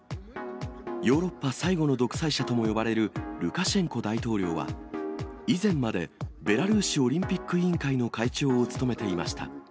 ヨーロッパ最後の独裁者とも呼ばれるルカシェンコ大統領は、以前までベラルーシオリンピック委員会の会長を務めていました。